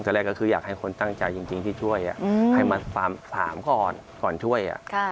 แรกก็คืออยากให้คนตั้งใจจริงที่ช่วยให้มาถามก่อนก่อนช่วย